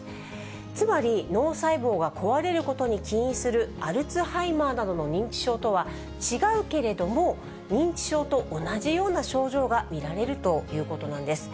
つまり、脳細胞が壊れることに起因するアルツハイマーなどの認知症とは違うけれども、認知症と同じような症状が見られるということなんです。